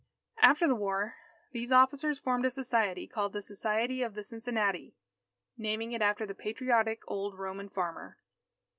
After the war, these officers formed a society, called the Society of the Cincinnati, naming it after the patriotic old Roman farmer.